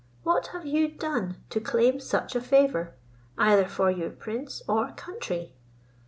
What have you done to claim such a favour, either for your prince or country?